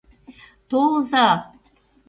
Толза-а!..